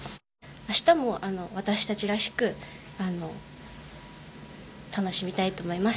明日も私たちらしく楽しみたいと思います。